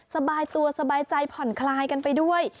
สบายตัวสบายใจผ่อนคลายกันไปด้วย